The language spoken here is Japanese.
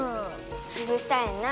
うるさいな。